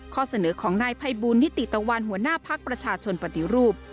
ข้อเสนอของนายภัยบูลนิติตะวันหัวหน้าภักดิ์ประชาชนปฏิรูป